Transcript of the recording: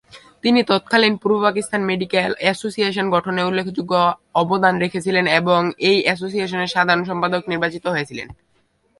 তিনি তৎকালীন পূর্ব Pakistan medical association গঠনে উল্লেখযোগ্য অবদান রেখেছিলেন এবং এই এসোসিয়েশনের সাধারণ সম্পাদক নির্বাচিত হয়েছিলেন।